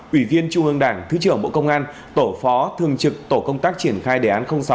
ủy viên trung ương đảng thứ trưởng bộ công an tổ phó thường trực tổ công tác triển khai đề án sáu